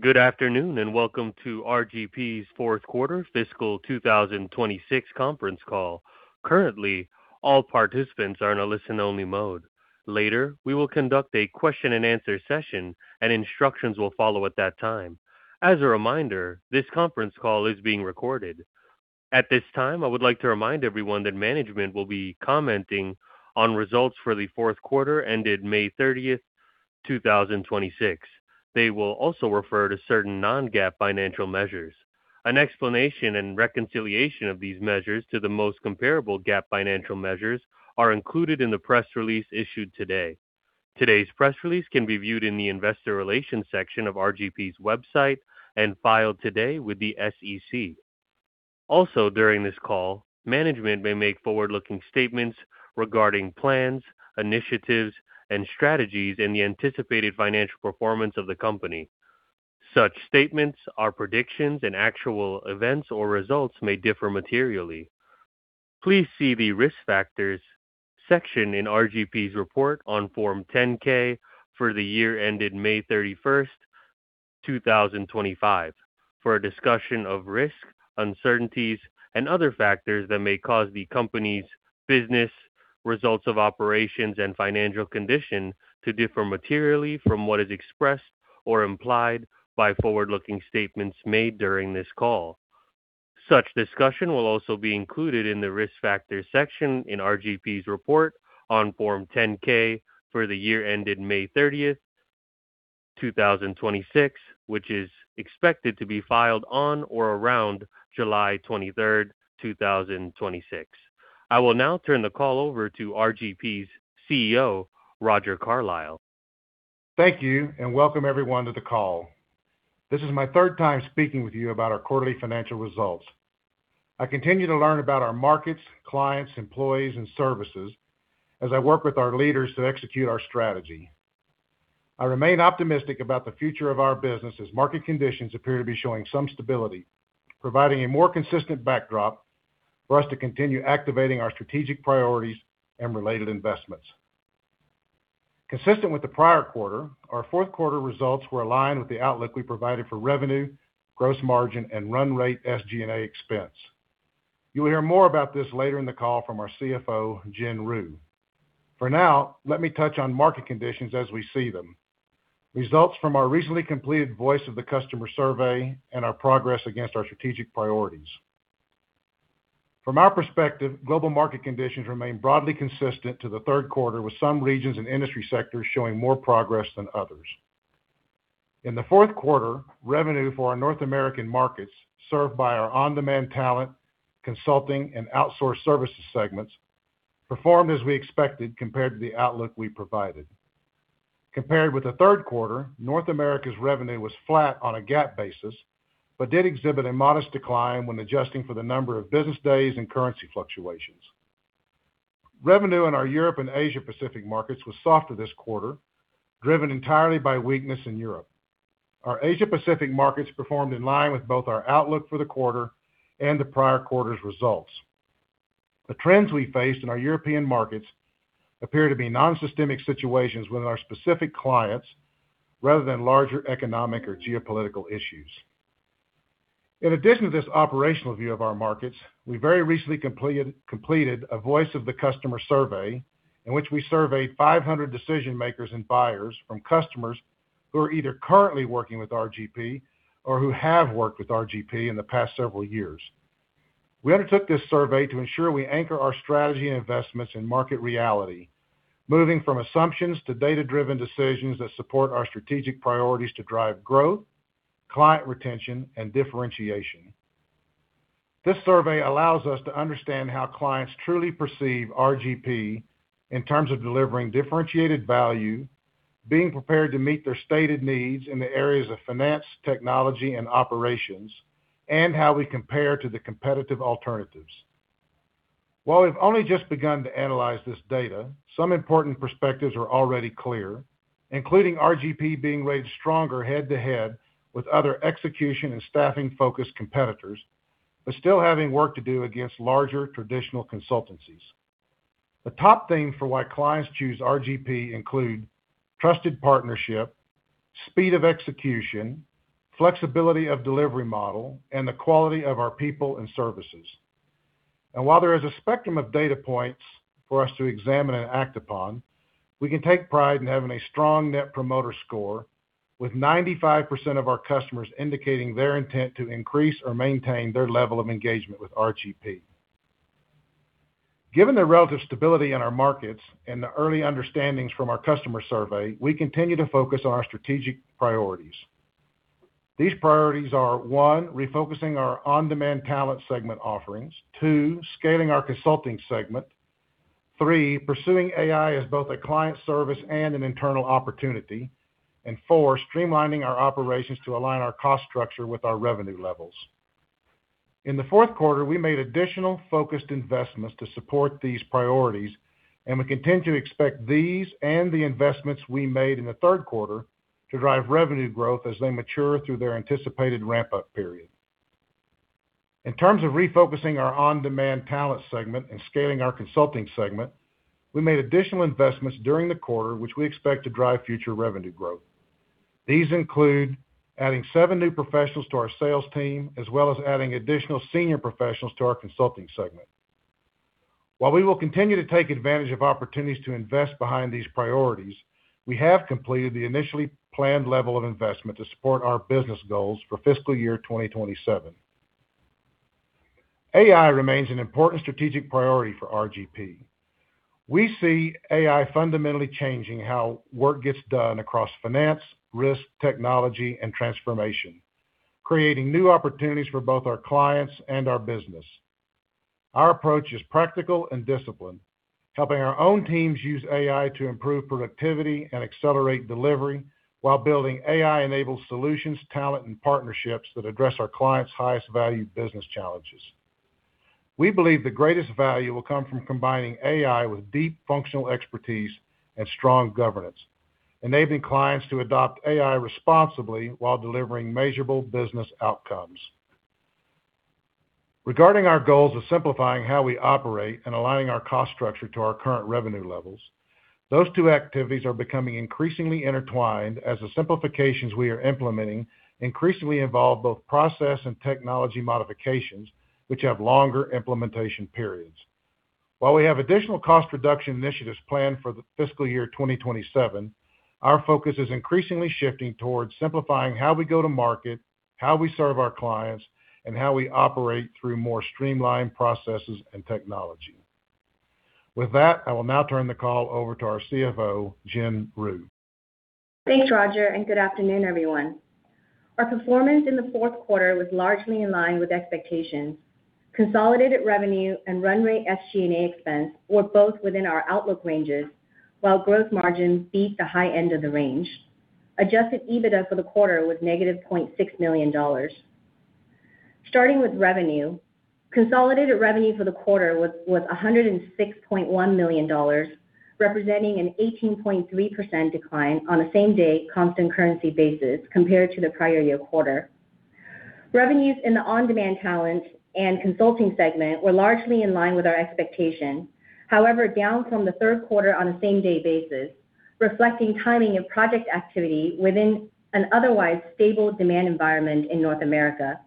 Good afternoon, and welcome to RGP's fourth quarter fiscal 2026 conference call. Currently, all participants are in a listen-only mode. Later, we will conduct a question and answer session, and instructions will follow at that time. As a reminder, this conference call is being recorded. At this time, I would like to remind everyone that management will be commenting on results for the fourth quarter ended May 30th, 2026. They will also refer to certain non-GAAP financial measures. An explanation and reconciliation of these measures to the most comparable GAAP financial measures are included in the press release issued today. Today's press release can be viewed in the investor relations section of RGP's website and filed today with the SEC. Also, during this call, management may make forward-looking statements regarding plans, initiatives, and strategies, and the anticipated financial performance of the company. Such statements are predictions, and actual events or results may differ materially. Please see the Risk Factors section in RGP's report on Form 10-K for the year ended May 31st, 2025, for a discussion of risks, uncertainties, and other factors that may cause the company's business, results of operations, and financial condition to differ materially from what is expressed or implied by forward-looking statements made during this call. Such discussion will also be included in the Risk Factors section in RGP's report on Form 10-K for the year ended May 30th, 2026, which is expected to be filed on or around July 23rd, 2026. I will now turn the call over to RGP's CEO, Roger Carlile. Thank you, and welcome everyone to the call. This is my third time speaking with you about our quarterly financial results. I continue to learn about our markets, clients, employees, and services as I work with our leaders to execute our strategy. I remain optimistic about the future of our business as market conditions appear to be showing some stability, providing a more consistent backdrop for us to continue activating our strategic priorities and related investments. Consistent with the prior quarter, our fourth quarter results were aligned with the outlook we provided for revenue, gross margin, and run rate SG&A expense. You will hear more about this later in the call from our CFO, Jen Ryu. For now, let me touch on market conditions as we see them, results from our recently completed Voice of the Customer survey, and our progress against our strategic priorities. From our perspective, global market conditions remain broadly consistent to the third quarter, with some regions and industry sectors showing more progress than others. In the fourth quarter, revenue for our North American markets served by our On-Demand Talent, Consulting, and Outsourced Services segments performed as we expected compared to the outlook we provided. Compared with the third quarter, North America's revenue was flat on a GAAP basis but did exhibit a modest decline when adjusting for the number of business days and currency fluctuations. Revenue in our Europe & Asia Pacific markets was softer this quarter, driven entirely by weakness in Europe. Our Asia Pacific markets performed in line with both our outlook for the quarter and the prior quarter's results. The trends we faced in our European markets appear to be non-systemic situations within our specific clients rather than larger economic or geopolitical issues. In addition to this operational view of our markets, we very recently completed a voice of the customer survey in which we surveyed 500 decision-makers and buyers from customers who are either currently working with RGP or who have worked with RGP in the past several years. We undertook this survey to ensure we anchor our strategy and investments in market reality, moving from assumptions to data-driven decisions that support our strategic priorities to drive growth, client retention, and differentiation. This survey allows us to understand how clients truly perceive RGP in terms of delivering differentiated value, being prepared to meet their stated needs in the areas of finance, technology, and operations, and how we compare to the competitive alternatives. While we've only just begun to analyze this data, some important perspectives are already clear, including RGP being rated stronger head-to-head with other execution and staffing-focused competitors, but still having work to do against larger traditional consultancies. The top thing for why clients choose RGP include trusted partnership, speed of execution, flexibility of delivery model, and the quality of our people and services. While there is a spectrum of data points for us to examine and act upon, we can take pride in having a strong Net Promoter Score, with 95% of our customers indicating their intent to increase or maintain their level of engagement with RGP. Given the relative stability in our markets and the early understandings from our customer survey, we continue to focus on our strategic priorities. These priorities are, one, refocusing our On-Demand Talent segment offerings. Two, scaling our Consulting segment. Three, pursuing AI as both a client service and an internal opportunity. Four, streamlining our operations to align our cost structure with our revenue levels. In the fourth quarter, we made additional focused investments to support these priorities, and we continue to expect these and the investments we made in the third quarter to drive revenue growth as they mature through their anticipated ramp-up period. In terms of refocusing our On-Demand Talent segment and scaling our Consulting segment, we made additional investments during the quarter, which we expect to drive future revenue growth. These include adding seven new professionals to our sales team, as well as adding additional senior professionals to our Consulting segment. While we will continue to take advantage of opportunities to invest behind these priorities, we have completed the initially planned level of investment to support our business goals for fiscal year 2027. AI remains an important strategic priority for RGP. We see AI fundamentally changing how work gets done across finance, risk, technology, and transformation, creating new opportunities for both our clients and our business. Our approach is practical and disciplined, helping our own teams use AI to improve productivity and accelerate delivery while building AI-enabled solutions, talent, and partnerships that address our clients' highest value business challenges. We believe the greatest value will come from combining AI with deep functional expertise and strong governance, enabling clients to adopt AI responsibly while delivering measurable business outcomes. Regarding our goals of simplifying how we operate and aligning our cost structure to our current revenue levels, those two activities are becoming increasingly intertwined as the simplifications we are implementing increasingly involve both process and technology modifications, which have longer implementation periods. While we have additional cost reduction initiatives planned for the fiscal year 2027, our focus is increasingly shifting towards simplifying how we go to market, how we serve our clients, and how we operate through more streamlined processes and technology. With that, I will now turn the call over to our CFO, Jen Ryu. Thanks, Roger, good afternoon, everyone. Our performance in the fourth quarter was largely in line with expectations. Consolidated revenue and run rate SG&A expense were both within our outlook ranges while growth margins beat the high end of the range. Adjusted EBITDA for the quarter was negative $0.6 million. Starting with revenue, consolidated revenue for the quarter was $106.1 million, representing an 18.3% decline on a same-day constant currency basis compared to the prior year quarter. Revenues in the On-Demand Talent and Consulting segment were largely in line with our expectations. However, down from the third quarter on a same-day basis, reflecting timing of project activity within an otherwise stable demand environment in North America.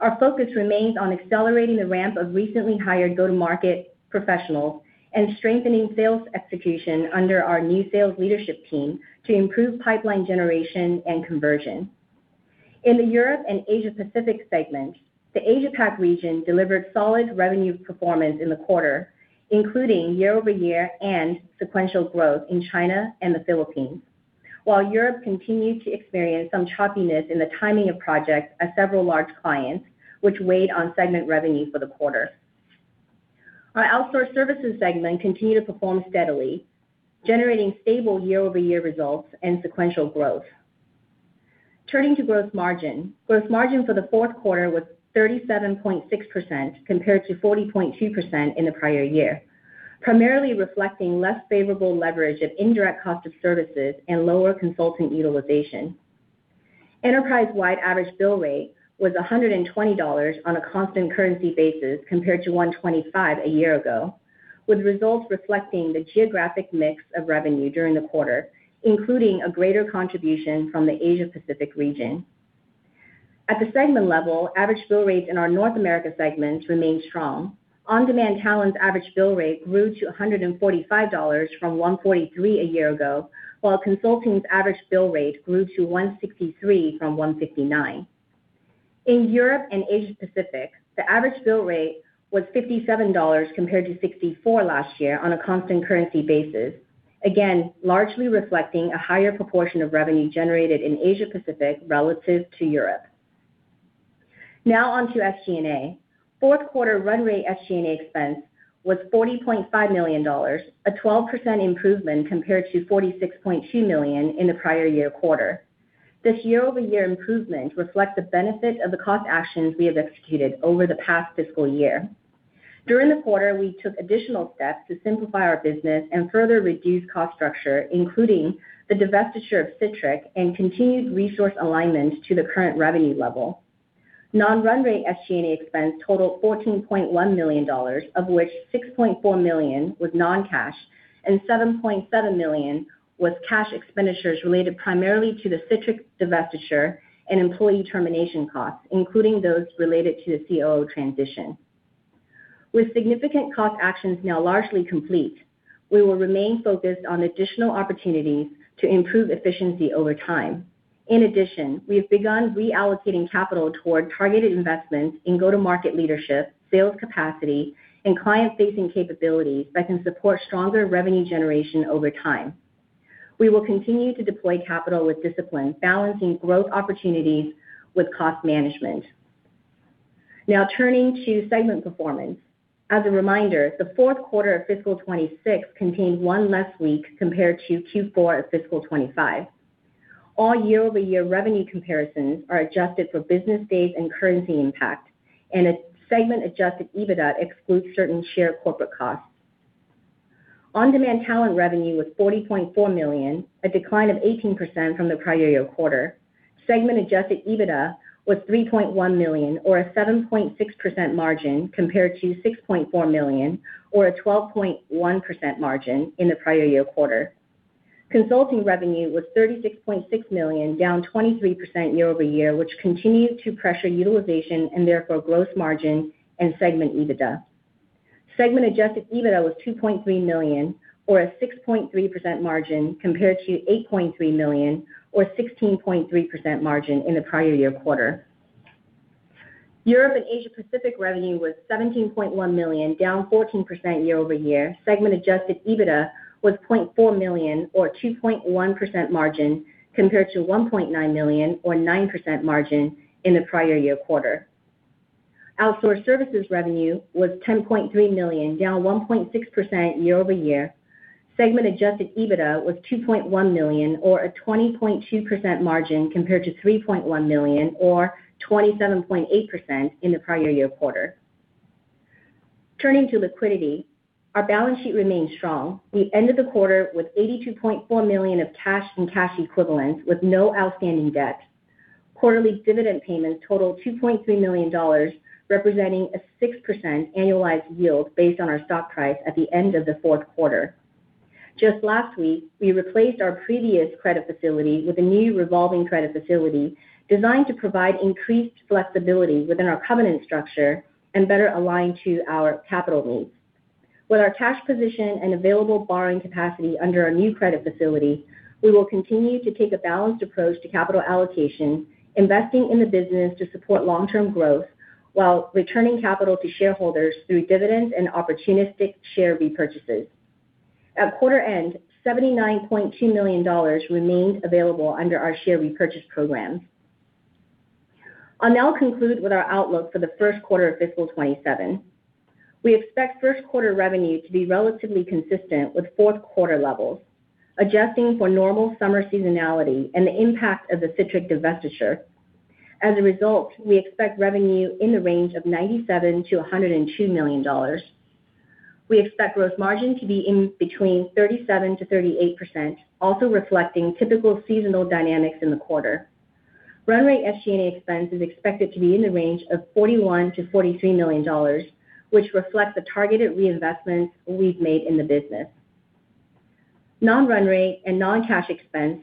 Our focus remains on accelerating the ramp of recently hired go-to-market professionals and strengthening sales execution under our new sales leadership team to improve pipeline generation and conversion. In the Europe & Asia Pacific segment, the Asia Pacific region delivered solid revenue performance in the quarter, including year-over-year and sequential growth in China and the Philippines. While Europe continued to experience some choppiness in the timing of projects at several large clients, which weighed on segment revenue for the quarter. Our Outsourced Services segment continued to perform steadily, generating stable year-over-year results and sequential growth. Turning to growth margin. Growth margin for the fourth quarter was 37.6% compared to 40.2% in the prior year, primarily reflecting less favorable leverage of indirect cost of services and lower consultant utilization. Enterprise-wide average bill rate was $120 on a constant currency basis compared to $125 a year ago, with results reflecting the geographic mix of revenue during the quarter, including a greater contribution from the Asia Pacific region. At the segment level, average bill rates in our North America segment remained strong. On-Demand Talent average bill rate grew to $145 from $143 a year ago, while Consulting's average bill rate grew to $163 from $159. In Europe & Asia Pacific, the average bill rate was $57 compared to $64 last year on a constant currency basis, again, largely reflecting a higher proportion of revenue generated in Asia Pacific relative to Europe. Now on to SG&A. Fourth quarter run rate SG&A expense was $40.5 million, a 12% improvement compared to $46.2 million in the prior year quarter. This year-over-year improvement reflects the benefit of the cost actions we have executed over the past fiscal year. During the quarter, we took additional steps to simplify our business and further reduce cost structure, including the divestiture of Sitrick and continued resource alignment to the current revenue level. Non-run rate SG&A expense totaled $14.1 million, of which $6.4 million was non-cash and $7.7 million was cash expenditures related primarily to the Sitrick divestiture and employee termination costs, including those related to the COO transition. With significant cost actions now largely complete, we will remain focused on additional opportunities to improve efficiency over time. We have begun reallocating capital toward targeted investments in go-to-market leadership, sales capacity, and client-facing capabilities that can support stronger revenue generation over time. We will continue to deploy capital with discipline, balancing growth opportunities with cost management. Turning to segment performance. As a reminder, the fourth quarter of fiscal 2026 contained one less week compared to Q4 of fiscal 2025. All year-over-year revenue comparisons are adjusted for business days and currency impact, and a segment-adjusted EBITDA excludes certain shared corporate costs. On-Demand Talent revenue was $40.4 million, a decline of 18% from the prior year quarter. Segment adjusted EBITDA was $3.1 million or a 7.6% margin compared to $6.4 million or a 12.1% margin in the prior year quarter. Consulting revenue was $36.6 million, down 23% year-over-year, which continued to pressure utilization and therefore gross margin and segment EBITDA. Segment adjusted EBITDA was $2.3 million or a 6.3% margin compared to $8.3 million or 16.3% margin in the prior year quarter. Europe & Asia Pacific revenue was $17.1 million, down 14% year-over-year. Segment adjusted EBITDA was $0.4 million or 2.1% margin compared to $1.9 million or 9% margin in the prior year quarter. Outsourced Services revenue was $10.3 million, down 1.6% year-over-year. Segment adjusted EBITDA was $2.1 million or a 20.2% margin compared to $3.1 million or 27.8% in the prior year quarter. Our balance sheet remains strong. We ended the quarter with $82.4 million of cash and cash equivalents with no outstanding debt. Quarterly dividend payments totaled $2.3 million, representing a 6% annualized yield based on our stock price at the end of the fourth quarter. We replaced our previous credit facility with a new revolving credit facility designed to provide increased flexibility within our covenant structure and better align to our capital needs. With our cash position and available borrowing capacity under our new credit facility, we will continue to take a balanced approach to capital allocation, investing in the business to support long-term growth while returning capital to shareholders through dividends and opportunistic share repurchases. At quarter end, $79.2 million remained available under our share repurchase program. I'll now conclude with our outlook for the first quarter of fiscal 2027. We expect first quarter revenue to be relatively consistent with fourth quarter levels, adjusting for normal summer seasonality and the impact of the Sitrick divestiture. We expect revenue in the range of $97 million-$102 million. We expect gross margin to be between 37%-38%, also reflecting typical seasonal dynamics in the quarter. Run rate SG&A expense is expected to be in the range of $41 million-$43 million, which reflects the targeted reinvestments we've made in the business. Non-run rate and non-cash expense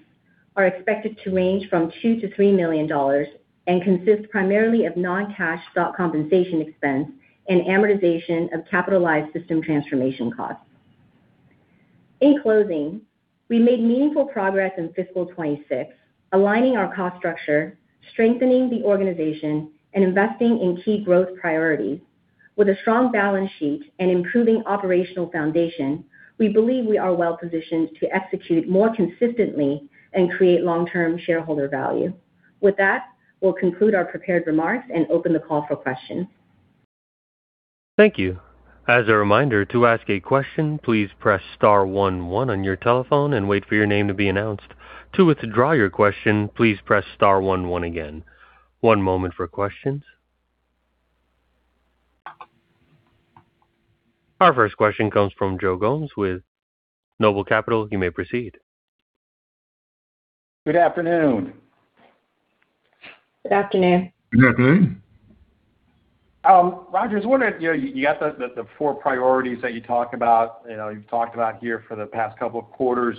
are expected to range from $2 million-$3 million and consist primarily of non-cash stock compensation expense and amortization of capitalized system transformation costs. We made meaningful progress in fiscal 2026, aligning our cost structure, strengthening the organization, and investing in key growth priorities. With a strong balance sheet and improving operational foundation, we believe we are well positioned to execute more consistently and create long-term shareholder value. With that, we will conclude our prepared remarks and open the call for questions. Thank you. As a reminder, to ask a question, please press * one one on your telephone and wait for your name to be announced. To withdraw your question, please press * one one again. One moment for questions. Our first question comes from Joe Gomes with Noble Capital. You may proceed. Good afternoon. Good afternoon. Good afternoon. Roger, I was wondering, you got the four priorities that you talked about, you've talked about here for the past couple of quarters.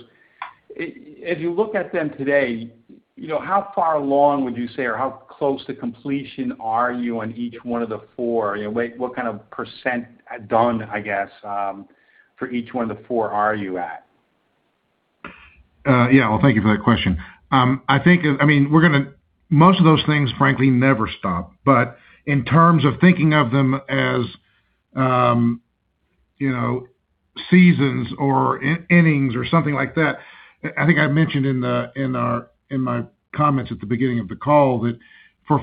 If you look at them today, how far along would you say or how close to completion are you on each one of the four? What kind of % done, I guess, for each one of the four are you at? Well, thank you for that question. Most of those things frankly never stop. In terms of thinking of them as seasons or innings or something like that, I think I mentioned in my comments at the beginning of the call that for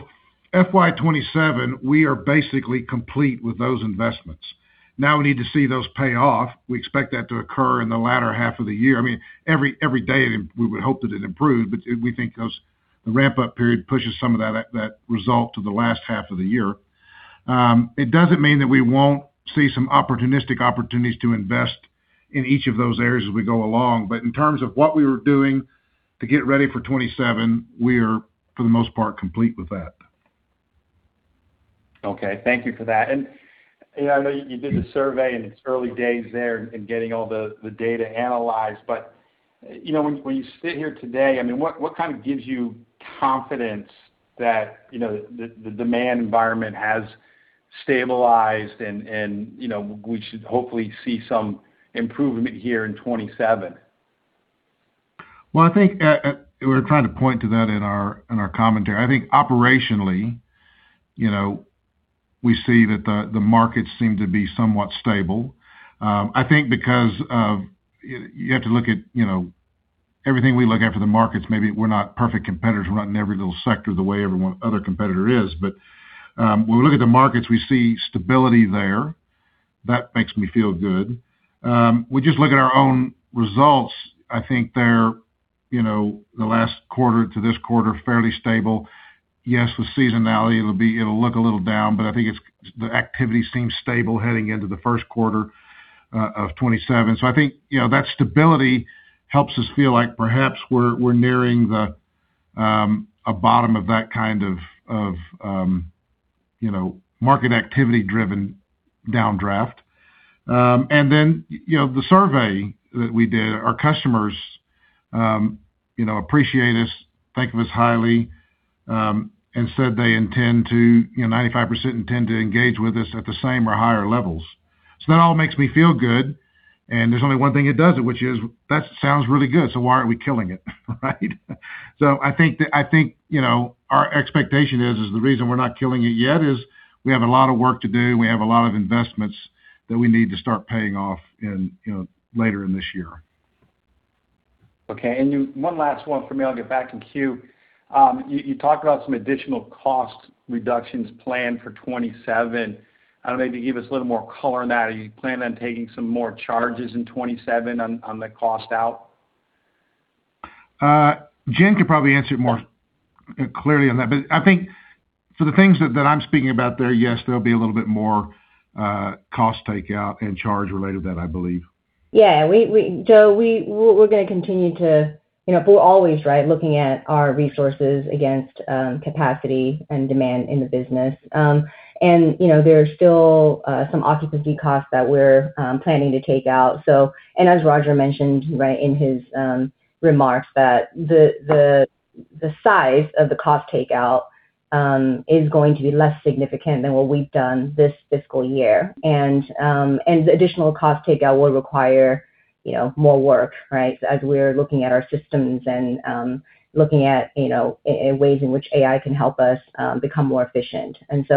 FY 2027, we are basically complete with those investments. We need to see those pay off. We expect that to occur in the latter half of the year. Every day, we would hope that it improved, we think the ramp-up period pushes some of that result to the last half of the year. It doesn't mean that we won't see some opportunistic opportunities to invest in each of those areas as we go along. In terms of what we were doing to get ready for 2027, we are, for the most part, complete with that. Thank you for that. I know you did the survey and it's early days there in getting all the data analyzed, when you sit here today, what kind of gives you confidence that the demand environment has stabilized, and we should hopefully see some improvement here in 2027? I think we're trying to point to that in our commentary. I think operationally, we see that the markets seem to be somewhat stable. I think you have to look at everything we look at for the markets, maybe we're not perfect competitors running every little sector the way every other competitor is. When we look at the markets, we see stability there. That makes me feel good. We just look at our own results, I think they're the last quarter to this quarter, fairly stable. Yes, the seasonality, it'll look a little down, but I think the activity seems stable heading into the first quarter of 2027. I think that stability helps us feel like perhaps we're nearing a bottom of that kind of market activity driven downdraft. The survey that we did, our customers appreciate us, think of us highly, and said they intend to, 95% intend to engage with us at the same or higher levels. That all makes me feel good, and there's only one thing that does it, which is that sounds really good, why aren't we killing it, right? I think our expectation is the reason we're not killing it yet is we have a lot of work to do and we have a lot of investments that we need to start paying off in later in this year. Okay. You, one last one from me, I'll get back in queue. You talked about some additional cost reductions planned for 2027. I don't know, maybe give us a little more color on that. Are you planning on taking some more charges in 2027 on the cost out? Jen could probably answer it more clearly on that. I think for the things that I'm speaking about there, yes, there'll be a little bit more cost takeout and charge related to that, I believe. Joe, we're always looking at our resources against capacity and demand in the business. There are still some occupancy costs that we're planning to take out. As Roger mentioned in his remarks, the size of the cost takeout is going to be less significant than what we've done this fiscal year. The additional cost takeout will require more work, right? As we're looking at our systems and looking at ways in which AI can help us become more efficient. That's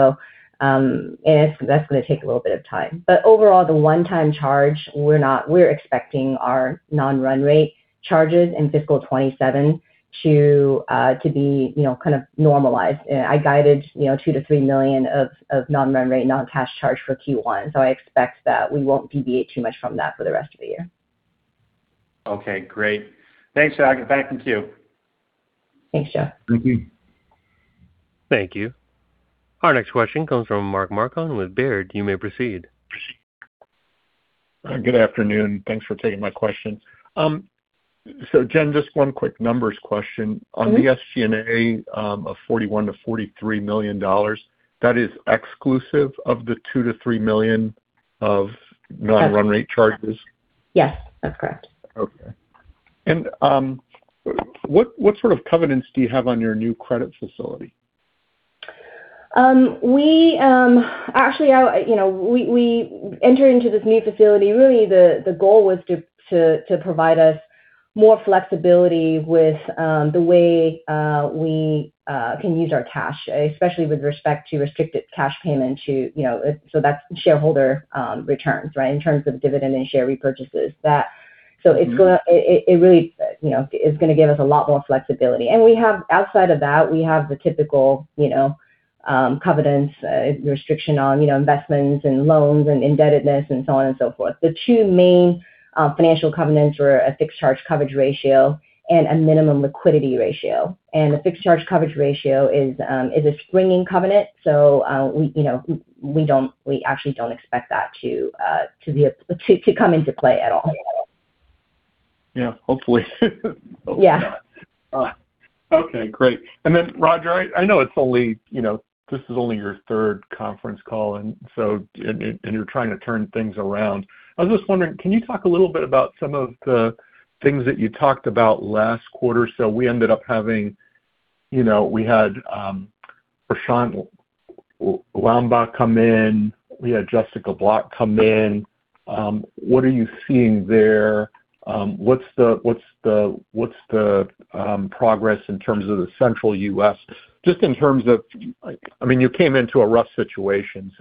going to take a little bit of time. Overall, the one-time charge, we're expecting our non-run rate charges in fiscal 2027 to be kind of normalized. I guided $2 million-$3 million of non-run rate, non-cash charge for Q1. I expect that we won't deviate too much from that for the rest of the year. Okay, great. Thanks, Roger. Back in queue. Thanks, Joe. Thank you. Thank you. Our next question comes from Mark Marcon with Baird. You may proceed. Good afternoon. Thanks for taking my question. Jen, just one quick numbers question. On the SG&A of $41 million-$43 million, that is exclusive of the $2 million-$3 million of non-run rate charges? Yes, that's correct. Okay. What sort of covenants do you have on your new credit facility? Actually, we entered into this new facility. Really the goal was to provide us more flexibility with the way we can use our cash, especially with respect to restricted cash payment so that's shareholder returns, right? In terms of dividend and share repurchases. It really is going to give us a lot more flexibility. Outside of that, we have the typical covenants, restriction on investments and loans and indebtedness and so on and so forth. The two main financial covenants were a fixed charge coverage ratio and a minimum liquidity ratio. The fixed charge coverage ratio is a springing covenant. We actually don't expect that to come into play at all. Yeah, hopefully. Yeah. Hopefully not. Okay, great. Roger, I know this is only your third conference call, and you're trying to turn things around. I was just wondering, can you talk a little bit about some of the things that you talked about last quarter? We ended up having Prashant Lamba come in. We had Jessica Block come in. What are you seeing there? What's the progress in terms of the Central U.S.? Just in terms of, you came into a rough situation,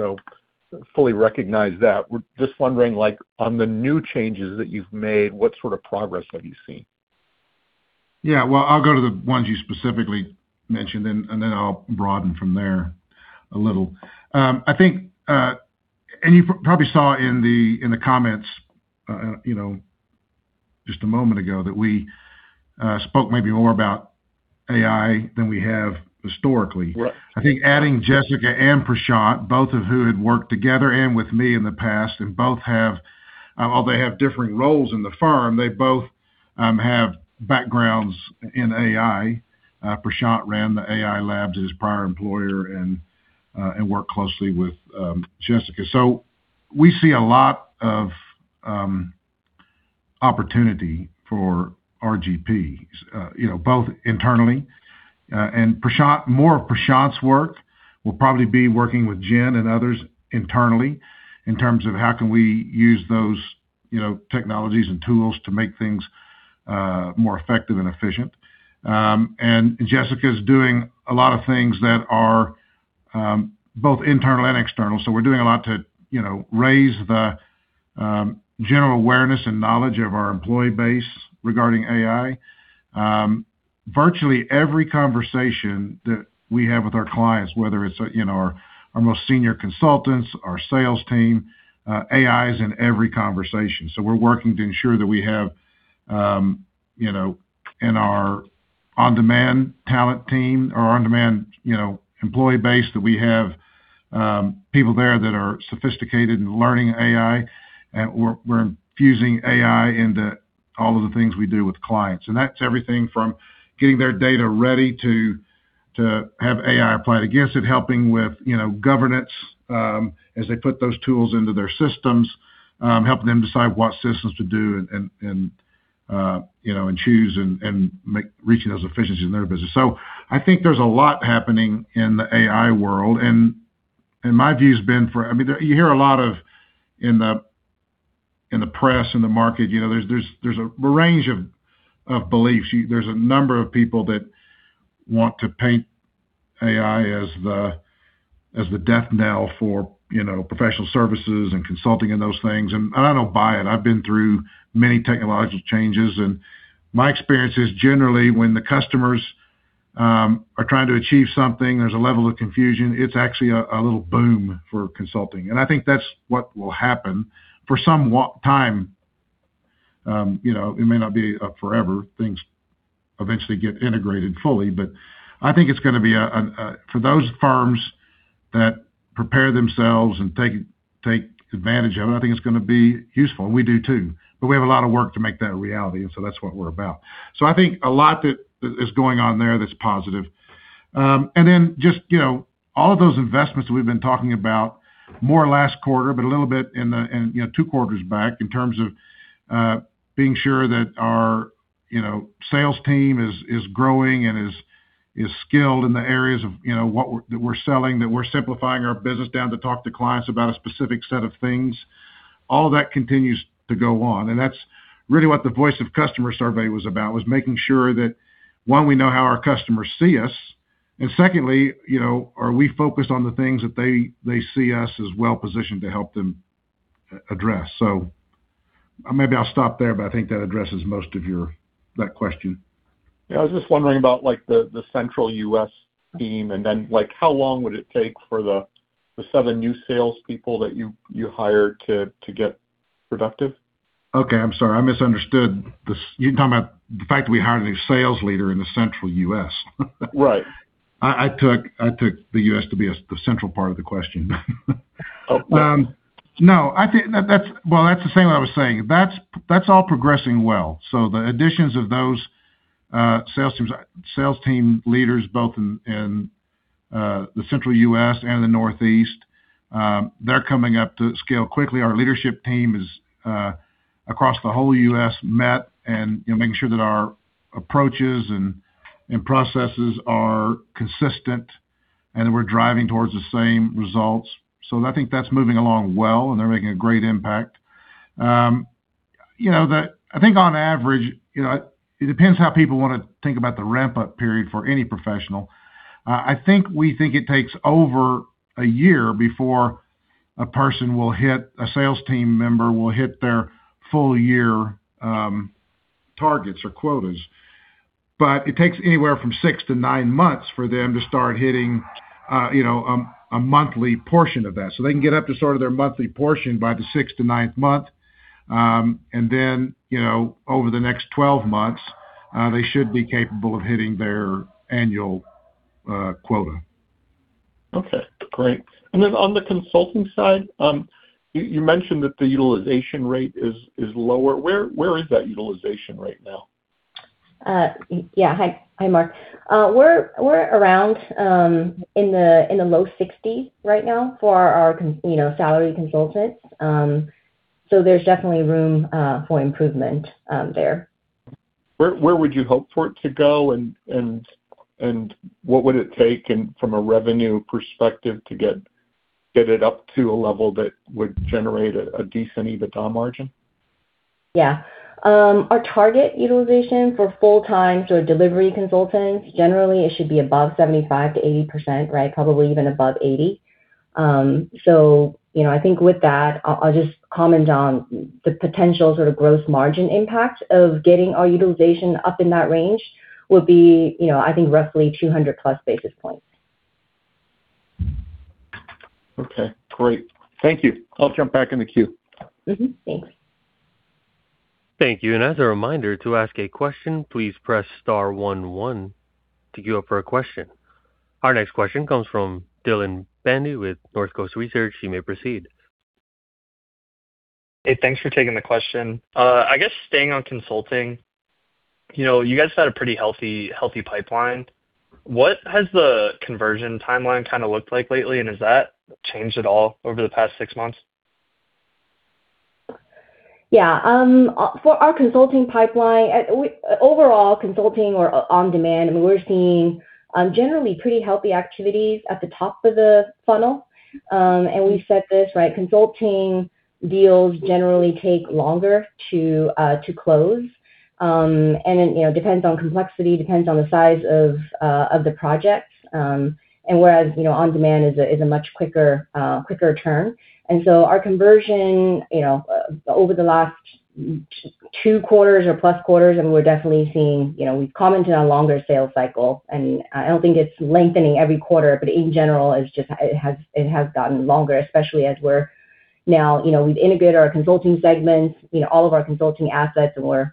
fully recognize that. We're just wondering, on the new changes that you've made, what sort of progress have you seen? I'll go to the ones you specifically mentioned, then I'll broaden from there a little. You probably saw in the comments just a moment ago that we spoke maybe more about AI than we have historically. Right. Adding Jessica and Prashant, both of who had worked together and with me in the past, both have, although they have differing roles in the firm, they both have backgrounds in AI. Prashant ran the AI labs at his prior employer and worked closely with Jessica. We see a lot of opportunity for RGP, both internally. More of Prashant's work will probably be working with Jen and others internally in terms of how can we use those technologies and tools to make things more effective and efficient. Jessica's doing a lot of things that are both internal and external, we're doing a lot to raise the general awareness and knowledge of our employee base regarding AI. Virtually every conversation that we have with our clients, whether it's our most senior consultants, our sales team, AI is in every conversation. We're working to ensure that we have in our On-Demand Talent team or on-demand employee base, that we have people there that are sophisticated in learning AI, we're infusing AI into all of the things we do with clients. That's everything from getting their data ready to have AI applied against it, helping with governance, as they put those tools into their systems, helping them decide what systems to do and choose and reaching those efficiencies in their business. There's a lot happening in the AI world, my view has been. You hear a lot of in the press, in the market, there's a range of beliefs. There's a number of people that want to paint AI as the death knell for professional services and Consulting and those things, I don't buy it. I've been through many technological changes, my experience is generally when the customers are trying to achieve something, there's a level of confusion. It's actually a little boom for consulting. I think that's what will happen for some time. It may not be forever. Things eventually get integrated fully, but I think for those firms that prepare themselves and take advantage of it, I think it's going to be useful, and we do too. We have a lot of work to make that a reality, and so that's what we're about. I think a lot is going on there that's positive. Just all of those investments we've been talking about more last quarter, but a little bit in two quarters back in terms of being sure that our sales team is growing and is skilled in the areas that we're selling, that we're simplifying our business down to talk to clients about a specific set of things. All of that continues to go on, and that's really what the Voice of the Customer survey was about, was making sure that, one, we know how our customers see us, and secondly, are we focused on the things that they see us as well-positioned to help them address. Maybe I'll stop there, but I think that addresses most of that question. I was just wondering about the Central U.S. team, how long would it take for the seven new salespeople that you hired to get productive? I'm sorry. I misunderstood. You're talking about the fact that we hired a sales leader in the Central U.S. Right. I took the U.S. to be the central part of the question. Oh. No. Well, that's the same what I was saying. That's all progressing well. The additions of those sales team leaders, both in the Central U.S. and the Northeast, they're coming up to scale quickly. Our leadership team is across the whole U.S. met, and making sure that our approaches and processes are consistent and we're driving towards the same results. I think that's moving along well, and they're making a great impact. I think on average, it depends how people want to think about the ramp-up period for any professional. I think we think it takes over one year before a person will hit, a sales team member will hit their full year targets or quotas. It takes anywhere from six to nine months for them to start hitting a monthly portion of that, so they can get up to sort of their monthly portion by the sixth to ninth month. Over the next 12 months, they should be capable of hitting their annual quota. Okay, great. On the Consulting side, you mentioned that the utilization rate is lower. Where is that utilization rate now? Yeah. Hi, Mark. We're around in the low 60s right now for our salary consultants. There's definitely room for improvement there. Where would you hope for it to go? What would it take in from a revenue perspective to get it up to a level that would generate a decent EBITDA margin? Yeah. Our target utilization for full-time, delivery consultants, generally, it should be above 75%-80%, probably even above 80. I think with that, I'll just comment on the potential sort of gross margin impact of getting our utilization up in that range would be I think roughly 200-plus basis points. Okay, great. Thank you. I'll jump back in the queue. Mm-hmm. Thanks. Thank you. As a reminder, to ask a question, please press star one one to queue up for a question. Our next question comes from Dylan Bandy with North Coast Research. You may proceed. Hey, thanks for taking the question. I guess staying on Consulting, you guys had a pretty healthy pipeline. What has the conversion timeline kind of looked like lately, and has that changed at all over the past six months? Yeah. For our Consulting pipeline, overall Consulting or On-Demand, we're seeing generally pretty healthy activities at the top of the funnel. We said this, Consulting deals generally take longer to close. It depends on complexity, depends on the size of the projects. Whereas On-Demand is a much quicker turn. So our conversion over the last two quarters or plus quarters, we're definitely seeing, we've commented on longer sales cycle, I don't think it's lengthening every quarter, but in general, it has gotten longer, especially as we've integrated our Consulting segments, all of our Consulting assets, we're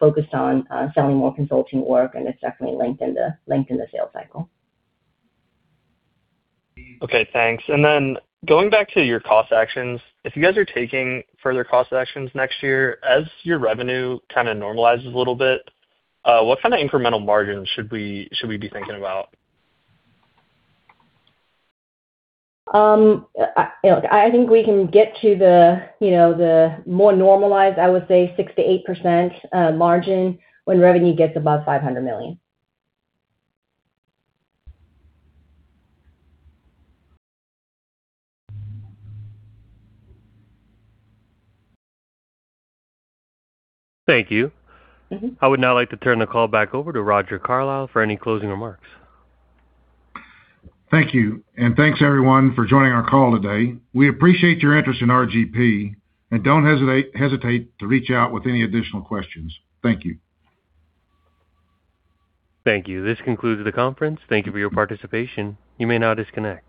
focused on selling more Consulting work, it's definitely lengthened the sales cycle. Okay, thanks. Then going back to your cost actions, if you guys are taking further cost actions next year, as your revenue kind of normalizes a little bit, what kind of incremental margin should we be thinking about? I think we can get to the more normalized, I would say 6%-8% margin when revenue gets above $500 million. Thank you. I would now like to turn the call back over to Roger Carlile for any closing remarks. Thank you. Thanks everyone for joining our call today. We appreciate your interest in RGP, and don't hesitate to reach out with any additional questions. Thank you. Thank you. This concludes the conference. Thank you for your participation. You may now disconnect.